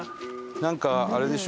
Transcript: なんかあれでしょ？